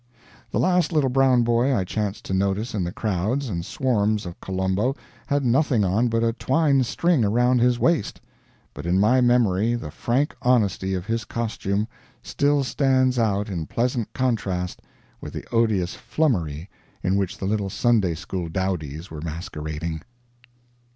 The last little brown boy I chanced to notice in the crowds and swarms of Colombo had nothing on but a twine string around his waist, but in my memory the frank honesty of his costume still stands out in pleasant contrast with the odious flummery in which the little Sunday school dowdies were masquerading.